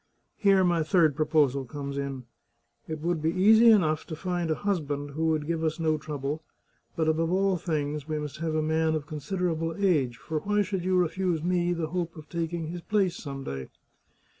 Here my third proposal comes in. " It would be easy enough to find a husband who would give us no trouble, but, above all things, we must have a man of considerable age — for why should you refuse me the hope of taking his place some day?